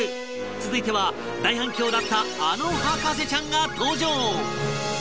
続いては大反響だったあの博士ちゃんが登場